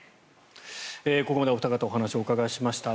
ここまでお二方にお話をお伺いしました。